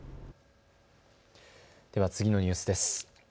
では次のニュースです。